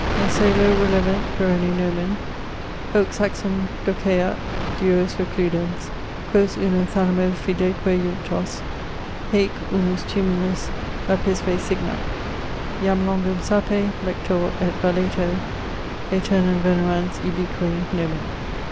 In coelo relevent perenne nomen, Hoc saxum doceat, duos recludens Quos uno thalamo fideque junctos Heic unus tumulus lapisve signat. Jam longum sape, Lector, et valeto, Aeternum venerans ubique nomen.